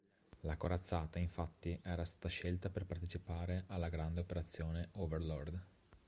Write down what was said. La corazzata, infatti, era stata scelta per partecipare alla grande operazione Overlord.